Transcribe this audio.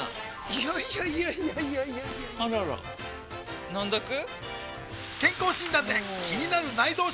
いやいやいやいやあらら飲んどく？